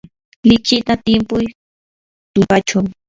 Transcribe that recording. lichita timpuy tullpachaw.